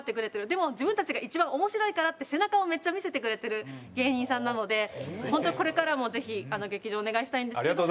でも自分たちが一番面白いからって背中をめっちゃ見せてくれてる芸人さんなので本当にこれからもぜひ劇場をお願いしたいんですけど。